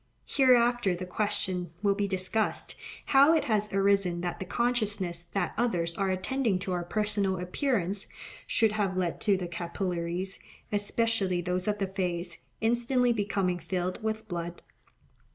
Hereafter the question will be discussed, how it has arisen that the consciousness that others are attending to our personal appearance should have led to the capillaries, especially those of the face, instantly becoming filled with blood.